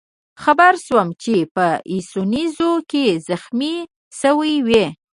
خبر شوم چې په ایسونزو کې زخمي شوی وئ.